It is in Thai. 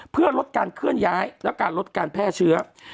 เพื่อลดการเคลื่อนย้ายและการลดการแพร่เชื้อ